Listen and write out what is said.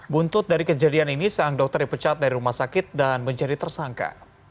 buntut dari kejadian ini sang dokter dipecat dari rumah sakit dan menjadi tersangka